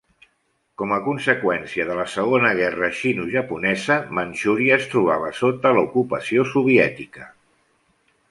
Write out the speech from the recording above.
Com a conseqüència de la Segona Guerra Sinojaponesa, Manchuria es trobava sota l"ocupació soviètica.